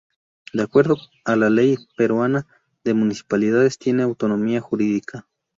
De acuerdo a la ley peruana de municipalidades tiene autonomía jurídica.